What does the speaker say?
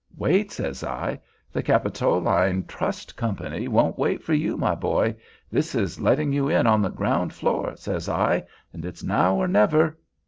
'Wait!' says I, 'the Capitoline Trust Company won't wait for you, my boy. This is letting you in on the ground floor,' says I, 'and it's now or never.